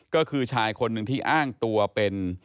ก็คือชายคนหนึ่งที่อ้างตัวเป็น